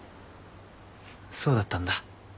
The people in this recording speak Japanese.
そうだったんだ。